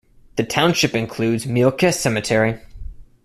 The township includes Mielke Cemetery.